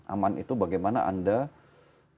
aman itu bagaimana anda menggunakan program ini